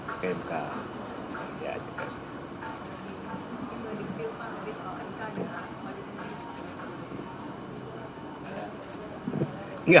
mungkin di spilman mungkin kalau kita ada arahan pada indonesia